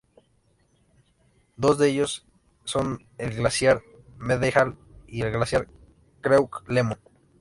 Dos de ellos son el Glaciar Mendenhall y el Glaciar Creek Lemon.